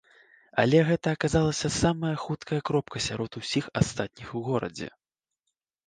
Але гэта аказалася самая хуткая кропка сярод усіх астатніх у горадзе.